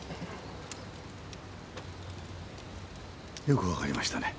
よく分かりましたね。